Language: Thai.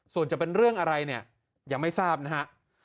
ส่วนจะเป็นเรื่องอะไรเนี่ยยังไม่ทราบนะฮะ